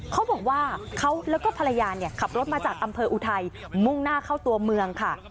เขาบอกว่าเขาแล้วก็ภรรยาขับรถมาจากอำเภออุทัยมุ่งหน้าเข้าตัวเมืองค่ะ